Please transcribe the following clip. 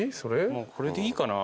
もうこれでいいかな。